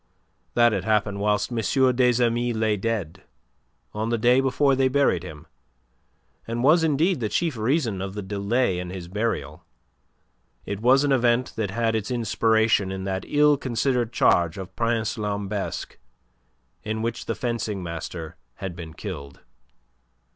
That had happened whilst M. des Amis lay dead, on the day before they buried him, and was indeed the chief reason of the delay in his burial. It was an event that had its inspiration in that ill considered charge of Prince Lambesc in which the fencing master had been killed.